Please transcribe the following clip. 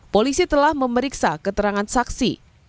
polisi telah memeriksa keterangan saksi